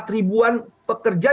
empat ribuan pekerja